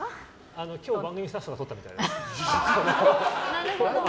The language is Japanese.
今日番組のスタッフがとったみたいです。